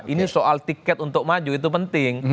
ini soal tiket untuk maju itu penting